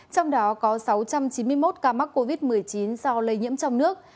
trong đó có sáu trăm chín mươi một ca mắc covid một mươi chín do lây nhiễm trong nước